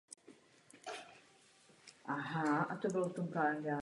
A nakonec teď můžeme zlidštit kapitalismus!